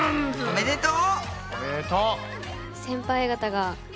おめでとう！